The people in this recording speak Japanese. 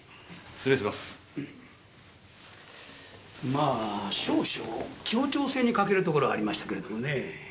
まぁ少々協調性に欠けるところはありましたけれどもねぇ。